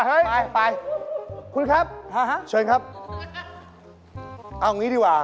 เข้าไปดูหน่อยน้ำน้ำลด